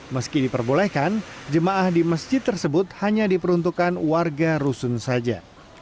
meski diperbolehkan jemaah di masjid tersebut hanya diperuntukkan warga rusun saja